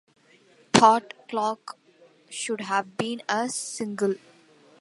Thought Clock should have been a single.